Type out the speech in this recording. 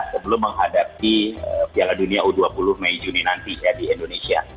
sebelum menghadapi piala dunia u dua puluh mei juni nanti ya di indonesia